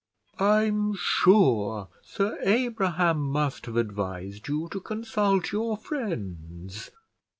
"I'm sure Sir Abraham must have advised you to consult your friends."